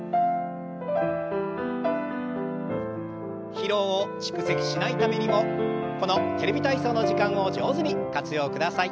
疲労を蓄積しないためにもこの「テレビ体操」の時間を上手に活用ください。